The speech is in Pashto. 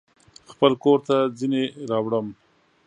خپل کورته ځینې راوړم